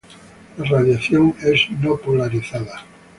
La radiación es no polarizada.